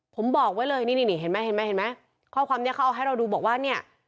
ผมบอกไว้เลยนี่นี่เห็นไหมเห็นไหมเห็นไหมข้อความนี้เขาเอาให้เราดูบอกว่าเนี่ย